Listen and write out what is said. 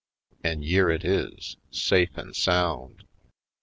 An' yere it is, safe an' sound."